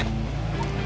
nanti kita cari